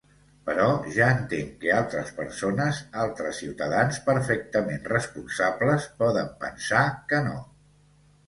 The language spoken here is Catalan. Però ja entenc que altres persones, altres ciutadans perfectament responsables, poden pensar que no.